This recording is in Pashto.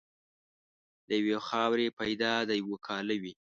له یوې خاورې پیدا د یوه کاله وې.